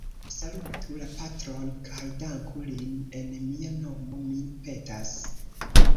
Salutu la patron kaj danku lin en mia nomo, mi petas.